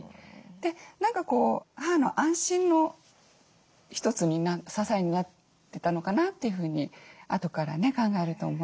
で何か母の安心の一つに支えになってたのかなというふうにあとからね考えると思いますね。